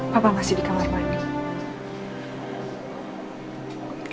bapak masih di kamar mandi